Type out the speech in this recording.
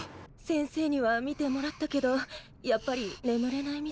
先生にはみてもらったけどやっぱりねむれないみたい。